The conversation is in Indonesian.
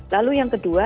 lalu yang kedua